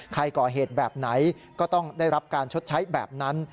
ใครก่อเหตุแบบไหนก็ต้องได้รับการชดใช้แบบนั้น